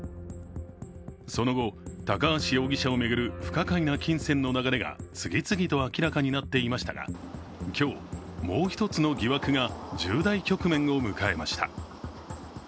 その後、高橋容疑者を巡る不可解な金銭の流れが次々と明らかになっていましたが、今日、もう一つの疑惑が重大局面を迎えました。